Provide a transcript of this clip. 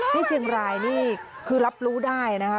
ที่เชียงรายนี่คือรับรู้ได้นะคะ